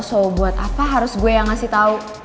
so buat apa harus gue yang ngasih tahu